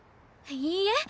いいえ！